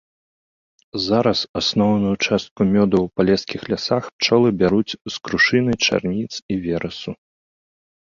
Зараз асноўную частку мёду ў палескіх лясах пчолы бяруць з крушыны, чарніц і верасу.